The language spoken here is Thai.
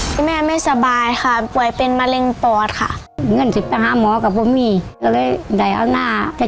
พี่แม่ไม่สบายค่ะป่วยเป็นมะเร็งปอดค่ะ